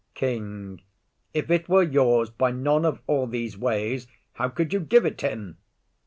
KING. If it were yours by none of all these ways, How could you give it him?